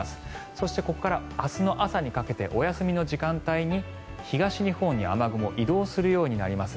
そしてここから明日の朝にかけてお休みの時間帯に東日本に雨雲、移動するようになります。